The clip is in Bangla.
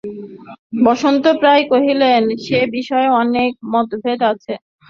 বসন্ত রায় কহিলেন, সে-বিষয়ে অনেক মতভেদ আছে।